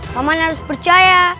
paman harus percaya